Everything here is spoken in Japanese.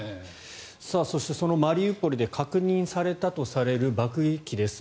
そしてそのマリウポリで確認されたとされる爆撃機です。